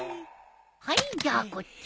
はいじゃあこっち。